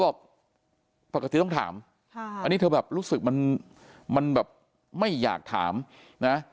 บอกปกติต้องถามอันนี้เธอแบบรู้สึกมันแบบไม่อยากถามนะ